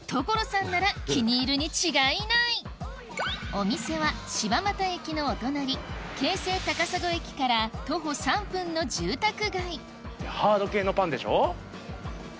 お店は柴又駅のお隣京成高砂駅から徒歩３分の住宅街硬いパン。